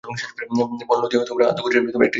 বনু Ludiya Ad গোত্রেরই একটি শাখা।